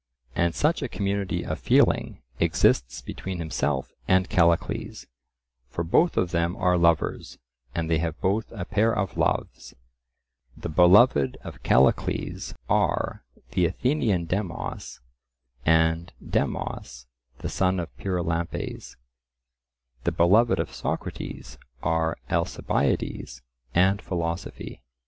And such a community of feeling exists between himself and Callicles, for both of them are lovers, and they have both a pair of loves; the beloved of Callicles are the Athenian Demos and Demos the son of Pyrilampes; the beloved of Socrates are Alcibiades and philosophy.